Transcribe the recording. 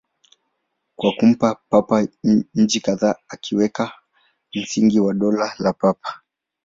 Kwa kumpa Papa miji kadhaa, aliweka msingi wa Dola la Papa.